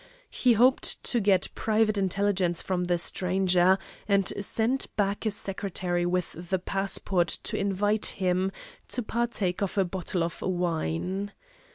He hoped to get private intelligence from the stranger, and sent back a secretary with the passport to invite him to partake of a bottle of wine.